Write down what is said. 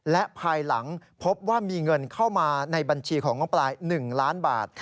และภายหลังพบว่ามีเงินเข้ามาในบัญชีของน้องปลาย๑ล้านบาท